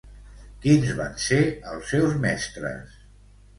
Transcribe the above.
Quins van ser els seus mestres?